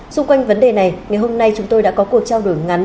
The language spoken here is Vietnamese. xung quanh vấn đề này ngày hôm nay chúng tôi đã có cuộc trao đổi ngắn